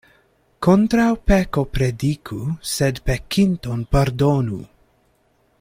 Kontraŭ peko prediku, sed pekinton pardonu.